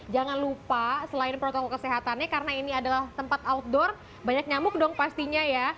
jangan lupa selain protokol kesehatannya karena ini adalah tempat outdoor banyak nyamuk dong pastinya ya